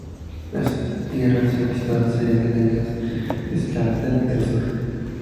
Las tierras avistadas serían las islas Shetland del Sur.